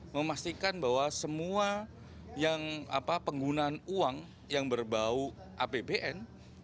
memastikan bahwa semua yang penggunaan uang yang berbau apbn